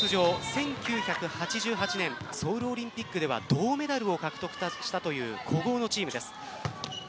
１９８８年ソウルオリンピックでは銅メダルを獲得したという古豪のチームです。